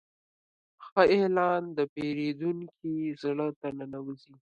ښه اعلان د پیرودونکي زړه ته ننوځي.